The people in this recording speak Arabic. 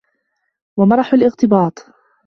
وَمَرَحُ الِاغْتِبَاطِ